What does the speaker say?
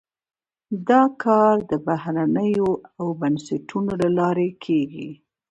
دا کار د بهیرونو او بنسټونو له لارې کیږي.